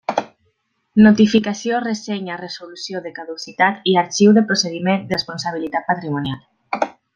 Notificació ressenya resolució de caducitat i arxiu de procediment de responsabilitat patrimonial.